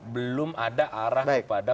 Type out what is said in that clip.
belum ada arah kepada penggalangan modal